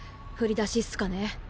振り出しっすかね。